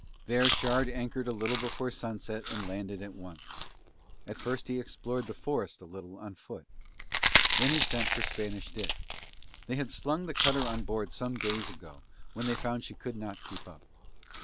There Shard anchored a little before sunset and landed at once. At first he explored the forest a little on foot. Then he sent for Spanish Dick. They had slung the cutter on board some days ago when they found she could not keep up.